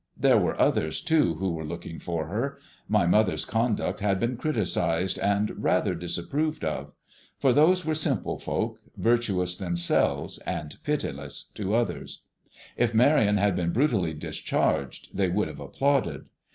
There were others, too, who were looking for her. My mother's conduct had been criticised and rather disapproved of; for those were simple folk, virtuous themselves and pitiless to others. If Marion had been brutally discharged, they would have applauded.